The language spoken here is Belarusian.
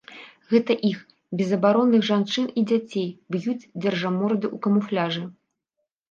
Гэта іх, безабаронных жанчын і дзяцей, б'юць дзяржыморды ў камуфляжы.